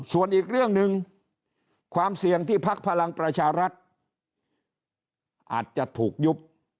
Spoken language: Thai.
ส่วนอีกเรื่องหนึ่งความเสี่ยงที่พักพลังประชารัฐอาจจะถูกยุบ